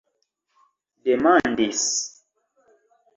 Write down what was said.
demandis